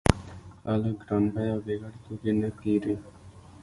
خلک ګران بیه او بې ګټې توکي نه پېري